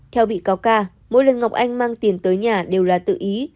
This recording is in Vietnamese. theo bị cáo ca mỗi lần ngọc anh mang tiền tới nhà đều là tự ý